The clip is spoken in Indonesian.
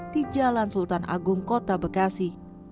di jalan sultan agung kota bekasi